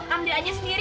amdir aja sendiri